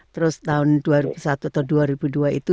terus tahun dua ribu satu atau dua ribu dua itu